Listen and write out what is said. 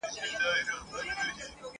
چي را ویښ نه سی وطندارانو !.